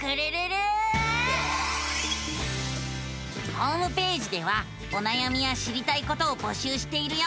ホームページではおなやみや知りたいことを募集しているよ。